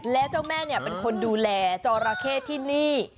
แล้วเจ้าแม่เป็นคนดูแลจอราเข้ที่นี่